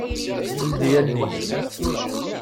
Ldi allen-ik.